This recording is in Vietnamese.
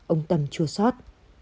ông tâm chua sót